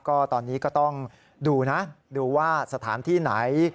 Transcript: ก็ตอนนี้ก็ต้องดูนะดูว่าสถานที่ไหน